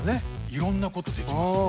いろんなことできますね。